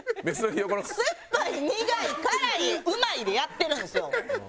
酸っぱい苦い辛いうまいでやってるんですよ。